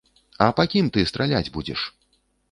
А па кім ты страляць будзеш?